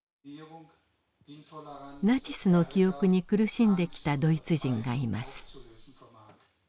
ナチスの記憶に苦しんできたドイツ人がいます。